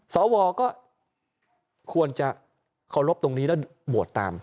สวก็ควรจะเคารพตรงนี้แล้วโหวตตาม